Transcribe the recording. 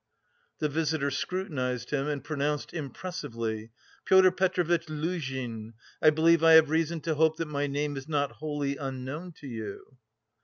The visitor scrutinised him and pronounced impressively: "Pyotr Petrovitch Luzhin. I believe I have reason to hope that my name is not wholly unknown to you?"